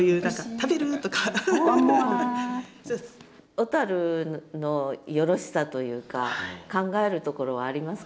小のよろしさというか考えるところはありますか？